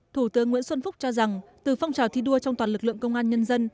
thủ tướng nguyễn xuân phúc cho rằng từ phong trào thi đua trong toàn lực lượng công an nhân dân